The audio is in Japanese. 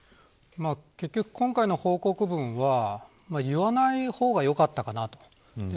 結局、今回の報告文は言わないほうがよかったかなと思います。